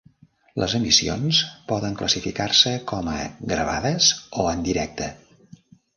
Les emissions poden classificar-se com a "gravades" o "en directe".